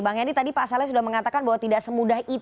bang henry tadi pak saleh sudah mengatakan bahwa tidak semudah itu